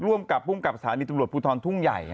ร่วมกับภูมิกับสถานีตำรวจภูทรทุ่งใหญ่